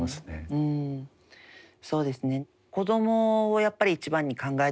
うんそうですね。